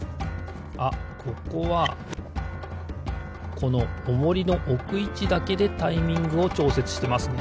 あここはこのオモリのおくいちだけでタイミングをちょうせつしてますね。